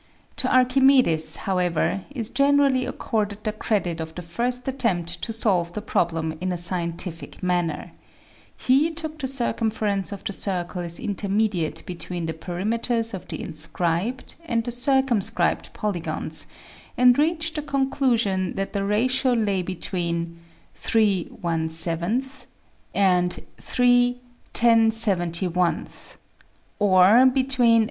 To Archimedes, however, is generally accorded the credit of the first attempt to solve the problem in a scientific manner ; he took the circumference of the circle as intermediate between the perimeters of the inscribed and the circumscribed polygons, and reached the conclusion that the ratio lay between 3^ and 3}^, or between 3.